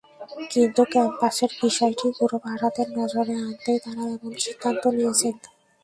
কিন্তু ক্যাম্পাসের বিষয়টি পুরো ভারতের নজরে আনতেই তাঁরা এমন সিদ্ধান্ত নিয়েছেন।